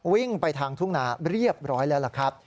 วิ่งไปทางทุ่งนาเรียบร้อยแล้วล่ะครับ